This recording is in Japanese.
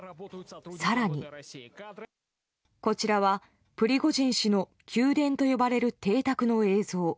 更に、こちらはプリゴジン氏の宮殿と呼ばれる邸宅の映像。